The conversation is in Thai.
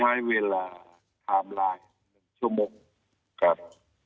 ใช้เวลาไทม์ไลน์๑ชั่วโมงครับ